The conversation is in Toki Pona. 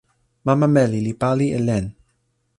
mama meli li pali e len.